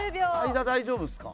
間大丈夫ですか？